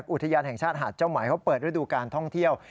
อุทยานแห่งชาติหาดเจ้าไหมเขาเปิดฤดูการท่องเที่ยว